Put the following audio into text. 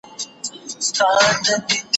قاضي پخپله کونه ورکول، نوروته ئې نصيحت کاوه.